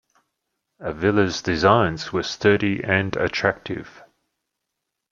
Avila's designs were sturdy and attractive.